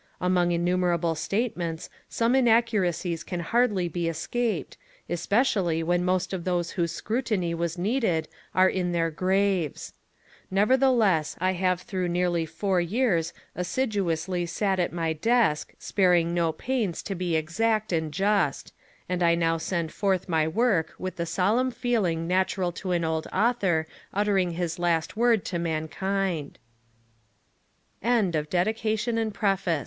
Among innumerable statements some inac curacies can hardly be escaped, especially when most of those whose scrutiny was needed are in their graves. Neyertheless, I have through nearly four years assiduously sat at my task, sparing no pains to be exact and just ; and I now send forth my work with the solemn feeling natural to an old author utte